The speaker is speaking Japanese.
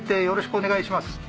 よろしくお願いします。